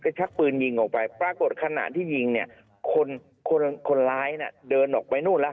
ชักปืนยิงออกไปปรากฏขณะที่ยิงเนี่ยคนคนร้ายน่ะเดินออกไปนู่นแล้ว